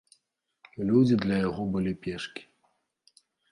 Людзі для яго былі пешкі.